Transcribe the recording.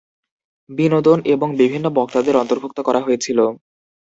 বিনোদন এবং বিভিন্ন বক্তাদের অন্তর্ভুক্ত করা হয়েছিল।